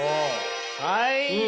はい。